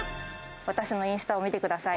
私のインスタを見てください。